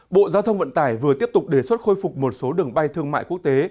bộ giao thông vận tải vừa tiếp tục đề xuất khôi phục một số đường bay thương mại quốc tế